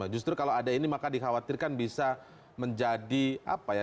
justru kalau ada ini maka dikhawatirkan bisa menjadi apa ya